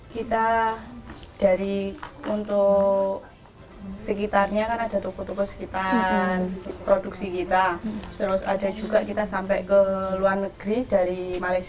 kita dari untuk sekitarnya kan ada toko toko sekitar produksi kita terus ada juga kita sampai ke luar negeri dari malaysia